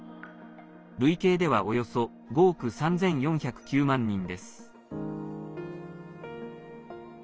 累計ではおよそ５億３４０９万人です。